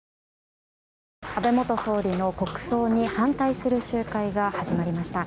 安倍元総理の国葬に反対する集会が始まりました。